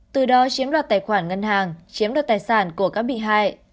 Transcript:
từ đó chiếm đoạt tài khoản ngân hàng chiếm đoạt tài sản của các bị hại